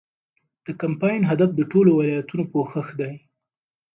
د کمپاین هدف د ټولو ولایتونو پوښښ دی.